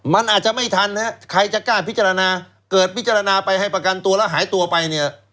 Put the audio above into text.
มันอาจจะไม่ทันฮะใครจะกล้าพิจารณาเกิดพิจารณาไปให้ประกันตัวแล้วหายตัวไปเนี่ย